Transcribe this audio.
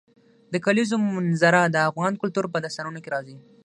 د کلیزو منظره د افغان کلتور په داستانونو کې راځي.